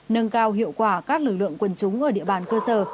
nâng cao hiệu quả các lực lượng quần chúng ở địa bàn cơ sở